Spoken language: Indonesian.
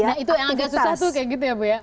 nah itu yang agak susah tuh kayak gitu ya bu ya